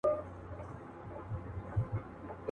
دواړه سم د قلندر په ننداره سول.